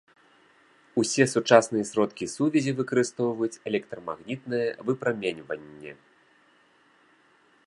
Усе сучасныя сродкі сувязі выкарыстоўваюць электрамагнітнае выпраменьванне.